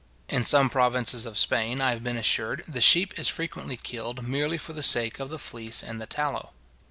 In some provinces of Spain, I have been assured, the sheep is frequently killed merely for the sake of the fleece and the tallow.